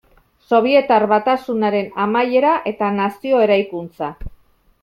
Sobietar Batasunaren amaiera eta nazio eraikuntza.